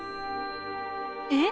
えっ？